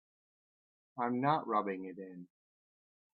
I'm not rubbing it in.